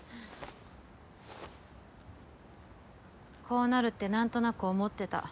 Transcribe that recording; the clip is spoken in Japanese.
こうなるって何となく思ってた。